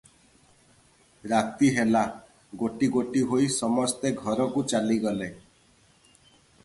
ରାତି ହେଲା, ଗୋଟି ଗୋଟି ହୋଇ ସମସ୍ତେ ଘରକୁ ଚାଲିଗଲେ ।